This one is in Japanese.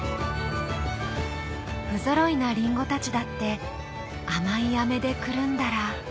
ふぞろいなりんごたちだって甘い飴でくるんだら